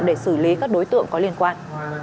để xử lý các đối tượng có liên quan